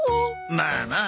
まあまあ。